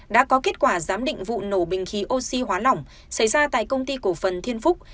đã có kết quả giám định vụ nổ bình khí oxy hóa lỏng xảy ra tại công ty cổ phần thiên phúc